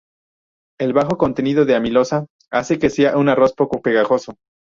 El bajo contenido de amilosa hace que sea un arroz poco pegajoso.